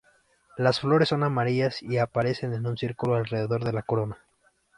Las flores son amarillas y aparecen en un círculo alrededor de la corona.